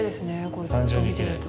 これずっと見てると。